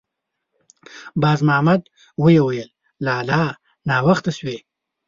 باز محمد ویې ویل: «لالا! ناوخته شوې.»